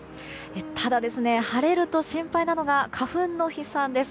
ただ、晴れると心配なのが花粉の飛散です。